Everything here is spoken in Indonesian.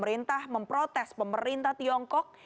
pemerintah memprotes pemerintah tiongkok